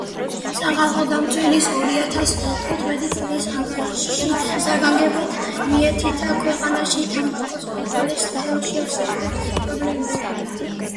სახალხო დამცველის ორიათას თხუთმეტი წლის ანგარიშში საგანგებოდ მიეთითა ქვეყანაში თამბაქოს კონტროლის სფეროში არსებულ პრობლემებზე.